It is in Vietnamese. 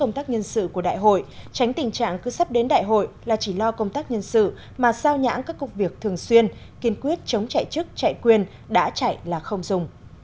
công tác nhân sự của đại hội tránh tình trạng cứ sắp đến đại hội là chỉ lo công tác nhân sự mà sao nhãn các cuộc việc thường xuyên kiên quyết chống chạy chức chạy quyền đã chạy là không dùng